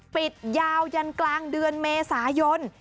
ปิดยาวยันกลางเดือนเมษายน